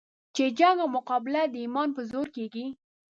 چې جنګ او مقابله د ایمان په زور کېږي.